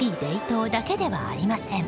島だけではありません。